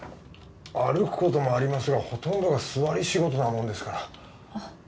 歩くこともありますがほとんどが座り仕事なもんですからああ